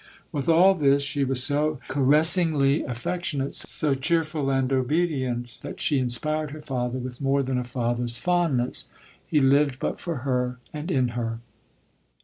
With all this she was so caressingly affec [ 2 LODORE. tionate, so cheerful and obedient, that she in spired her father with more than a father's fondness. He lived but for her and in her.